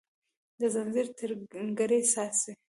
د ځنځیر تر کړۍ څاڅي